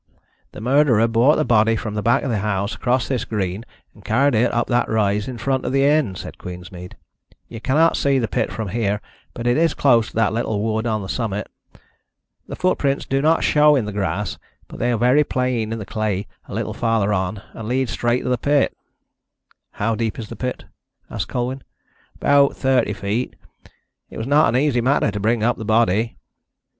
"The murderer brought the body from the back of the house across this green, and carried it up that rise in front of the inn," said Queensmead. "You cannot see the pit from here, but it is close to that little wood on the summit. The footprints do not show in the grass, but they are very plain in the clay a little farther on, and lead straight to the pit." "How deep is the pit?" asked Colwyn. "About thirty feet. It was not an easy matter to bring up the body."